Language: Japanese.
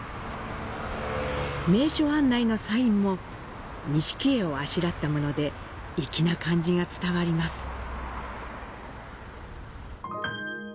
名所案内のサインも、錦絵をあしらったもので、粋な感じが伝わります。